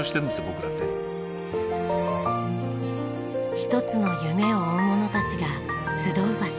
一つの夢を追う者たちが集う場所。